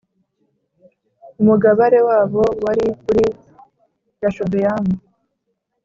Umugabare wabo wari uri Yashobeyamu